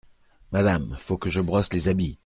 Madame, faut que je brosse les habits.